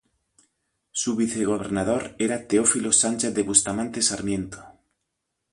Su vicegobernador era Teófilo Sánchez de Bustamante Sarmiento.